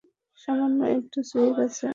সামান্য একটু ছুঁলে গেছে।